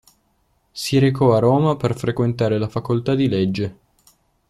Si recò a Roma per frequentare la facoltà di Legge.